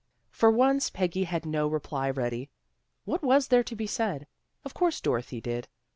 For once Peggy had no reply ready. What was there to be said? Of course Dorothy did.